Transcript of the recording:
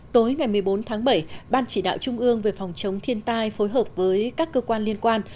tối ngày một mươi bốn tháng bảy ban chỉ đạo trung ương về phòng chống thiên tai phối hợp với các cơ quan liên quan